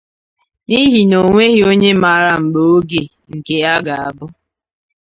n'ihi na o nweghị onye maara mgbe oge nke ya ga-abụ